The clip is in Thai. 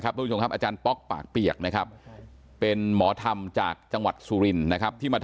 อาจารย์ป๊อกปากเปียกเป็นหมอธรรมจากจังหวัดสุรินย์